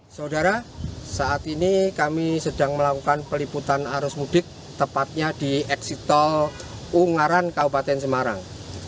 saudara saat ini kami sedang melakukan peliputan arus mudik tepatnya di eksit tol ungaran kabupaten semarang